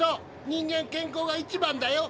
人間健康が一番だよ。